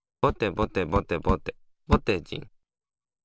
ぼてぼてぼてぼて。